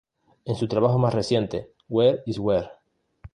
En su trabajo más reciente "Where is Where?